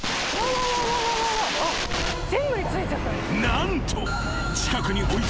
［何と］